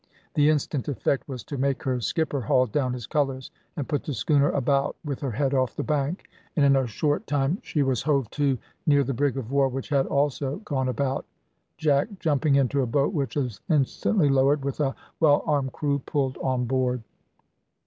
The instant effect was to make her skipper haul down his colours and put the schooner about with her head off the bank, and in a short time she was hove to near the brig of war, which had also gone about. Jack, jumping into a boat, which was instantly lowered with a well armed crew, pulled on board.